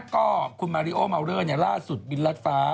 ก็คุณมาริโอมาวเลอร์ล่าสุดบินรัดฟ้า